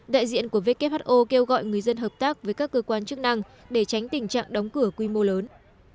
đại diện của who kêu gọi người dân hợp tác với các cơ quan chức năng để tránh tình trạng đóng cửa quy mô lớn